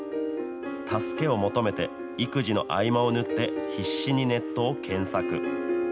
助けを求めて、育児の合間を縫って、必死にネットを検索。